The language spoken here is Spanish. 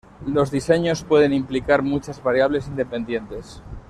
Los diseños pueden implicar muchas variables independientes.